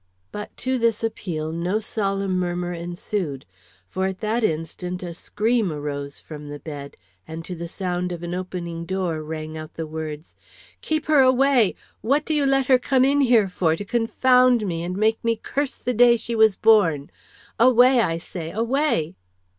But to this appeal no solemn murmur ensued, for at that instant a scream arose from the bed, and to the sound of an opening door rang out the words: "Keep her away! What do you let her come in here for, to confound me and make me curse the day she was born! Away! I say, away!"